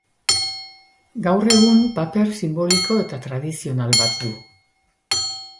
Gaur egun, paper sinboliko eta tradizional bat du.